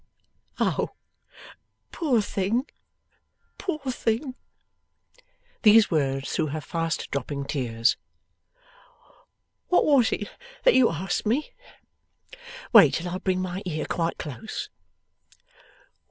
O poor thing, poor thing!' These words through her fast dropping tears. 'What was it that you asked me? Wait till I bring my ear quite close.